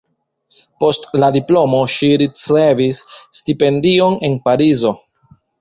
Post la diplomo ŝi ricevis stipendion en Parizo.